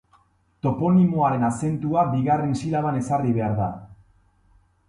Toponimoaren azentua bigarren silaban ezarri behar da.